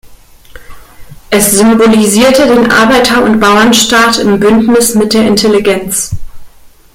Es symbolisierte den „Arbeiter-und-Bauern-Staat“ im Bündnis mit der „Intelligenz“.